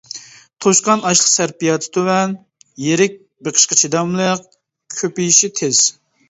توشقان ئاشلىق سەرپىياتى تۆۋەن، يىرىك بېقىشقا چىداملىق، كۆپىيىشى تېز.